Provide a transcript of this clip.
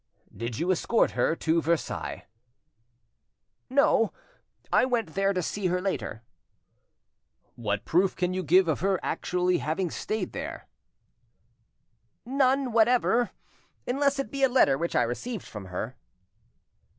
"Did you escort her to Versailles?" "No; I went there to see her later." "What proof can you give of her having actually stayed there?" "None whatever, unless it be a letter which I received from her."